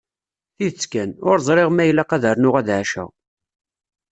Tidet kan, ur ẓriɣ ma ilaq ad rnuɣ ad ɛaceɣ.